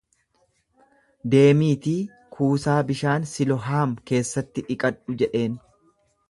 Deemiitii kuusaa bishaan Silohaam keessatti dhiqadhu jedheen.